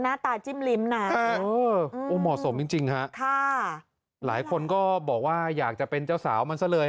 หน้าตาจิ้มลิ้มนะโอ้เหมาะสมจริงจริงฮะค่ะหลายคนก็บอกว่าอยากจะเป็นเจ้าสาวมันซะเลย